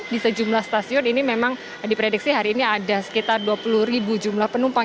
di sejumlah stasiun ini memang diprediksi hari ini ada sekitar dua puluh ribu jumlah penumpang